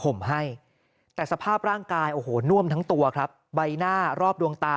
ให้แต่สภาพร่างกายโอ้โหน่วมทั้งตัวครับใบหน้ารอบดวงตา